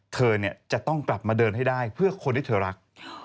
เธอจะต้องกลับมาเดินให้ได้เพื่อคนที่เธอรัก